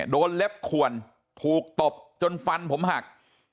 เล็บขวนถูกตบจนฟันผมหัก